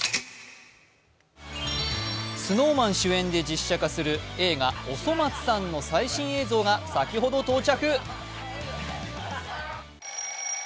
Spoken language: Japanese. ＳｎｏｗＭａｎ主演で実写化する映画「おそ松さん」の最新映像が先ほど到着！